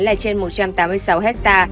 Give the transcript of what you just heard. là trên một trăm tám mươi sáu ha